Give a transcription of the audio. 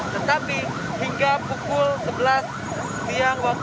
tetapi hingga pukul sebelas siang waktu